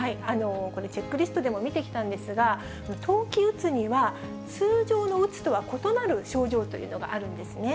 これ、チェックリストでも見てきたんですが、冬季うつには通常のうつとは異なる症状というのがあるんですね。